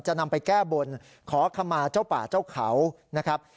นำไปแก้บนขอขมาเจ้าป่าเจ้าเขานะครับ